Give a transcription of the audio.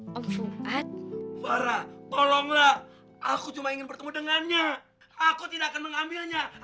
hai obohing hari para tolonglah aku cuma ingin bertemu dengannya aku tidak akan mengambilnya aku